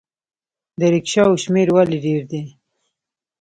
د ریکشاوو شمیر ولې ډیر دی؟